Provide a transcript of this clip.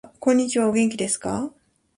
こんにちはお元気ですか